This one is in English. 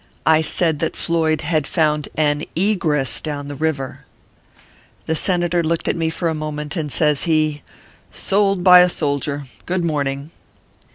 I said that Floyd had found mi egress down the river/ The Senator looked at me for a moment, and says he: " Sold by a soldier ! Good morning."